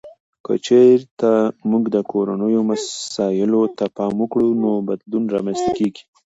که چیرته موږ د کورنیو مسایلو ته پام وکړو، نو بدلون رامنځته کیږي.